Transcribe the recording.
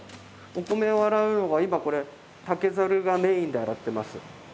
お米を洗うのが今これ竹ざるがメインで洗ってます。